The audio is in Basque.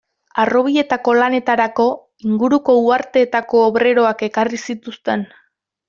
Harrobietako lanetarako inguruko uharteetako obreroak ekarri zituzten.